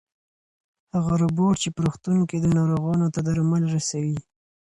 هغه روبوټ چې په روغتون کې دی ناروغانو ته درمل رسوي.